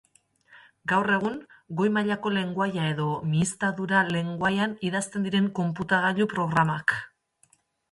Gaur egun, goi-mailako lengoaia edo mihiztadura-lengoaian idazten dira konputagailu-programak.